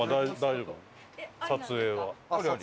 撮影は？